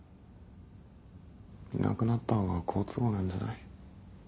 いなくなったほうが好都合なんじゃない？